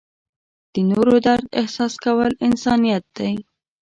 د نورو درد احساس کول انسانیت دی.